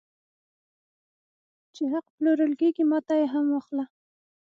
چې حق پلورل کېږي ماته یې هم واخله